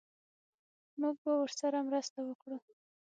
موږ به ورسره مرسته وکړو